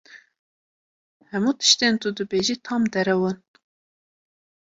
Hemû tiştên tu dibêjî tam derew in!